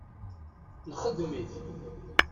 Nexdem-it.